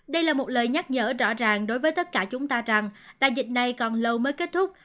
đây là một lời nhắc nhở rõ ràng đối với tất cả chúng ta rằng đại dịch này còn lâu mới kết thúc